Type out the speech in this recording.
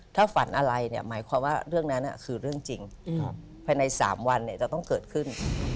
ถ้าฝันอะไรเนี่ยหมายความว่าเรื่องนั้นคือเรื่องจริงภายใน๓วันจะต้องเกิดขึ้น